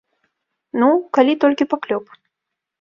Ну, калі толькі паклёп.